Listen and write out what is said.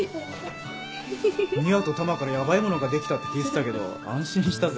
美和とタマからヤバいものができたって聞いてたけど安心したぜ。